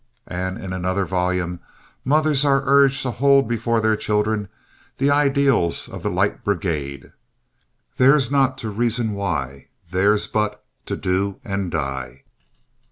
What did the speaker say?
And in another volume mothers are urged to hold before their children the ideals of the Light Brigade, "Theirs not to reason why, theirs but to do and die."